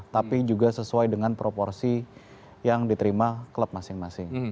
tapi juga sesuai dengan proporsi yang diterima klub masing masing